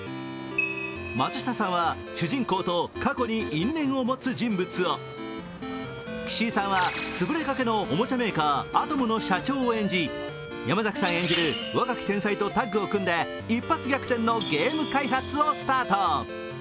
松下さんは、主人公と過去に因縁を持つ人物を、岸井さんはつぶれかけのおもちゃメーカー、アトムの社長を演じ、山崎さん演じる若き天才とタッグを組んで一発逆転のゲーム開発をスタート。